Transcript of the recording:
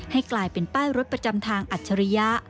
ให้กลายเป็นป้ายรถประจำทางอัจฉริยะ